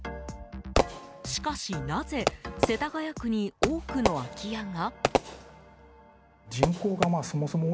しかし、なぜ世田谷区に多くの空き家が？